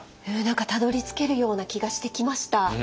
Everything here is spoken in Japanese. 何かたどりつけるような気がしてきました。